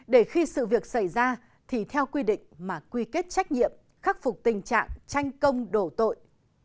để khi sự việc xảy ra thì theo quy định mà quy kết trách nhiệm khắc phục tình trạng tranh công đổ tội